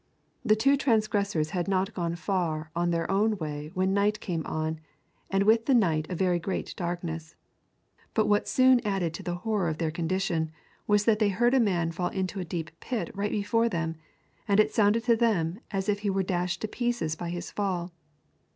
The two transgressors had not gone far on their own way when night came on and with the night a very great darkness. But what soon added to the horror of their condition was that they heard a man fall into a deep pit right before them, and it sounded to them as if he was dashed to pieces by his fall.